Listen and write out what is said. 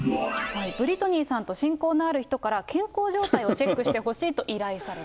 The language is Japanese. ブリトニーさんと親交のある人から、健康状態をチェックしてほしいと依頼された。